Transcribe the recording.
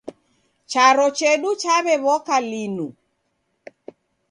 Charo chedu chawewoka linu